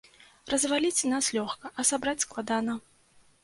Разваліць нас лёгка, а сабраць складана.